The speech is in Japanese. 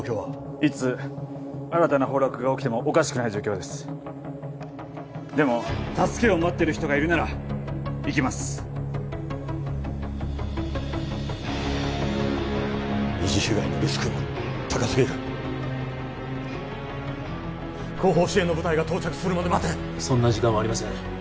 いつ新たな崩落が起きてもおかしくない状況ですでも助けを待ってる人がいるなら行きます二次被害のリスクが高すぎる後方支援の部隊が到着するまで待てそんな時間はありません